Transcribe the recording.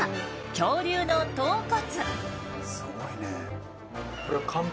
恐竜の頭骨。